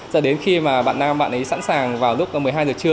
giờ đến khi mà bạn nam bạn ấy sẵn sàng vào lúc một mươi hai giờ trưa